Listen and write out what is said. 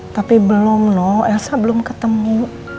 tapi belum loh elsa belum ketemu